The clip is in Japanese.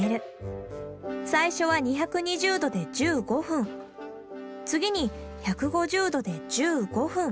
最初は２２０度で１５分次に１５０度で１５分。